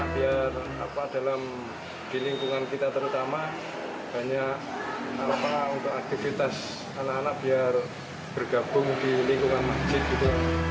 biar dalam lingkungan kita terutama banyak aktivitas anak anak biar bergabung di lingkungan masjid